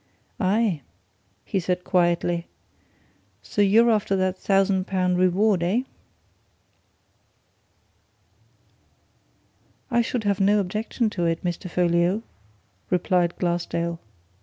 "Aye!" he said quietly. "So you're after that thousand pound reward, eh?" "I should have no objection to it, Mr. Folliot," replied Glassdale.